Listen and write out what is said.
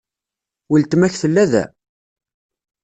Weltma-k tella da?